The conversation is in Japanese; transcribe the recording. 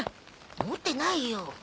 持ってないよ。